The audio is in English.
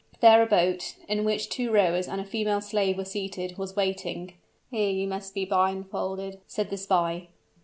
There a boat, in which two rowers and a female slave were seated, was waiting. "Here, must you be blindfolded," said the spy.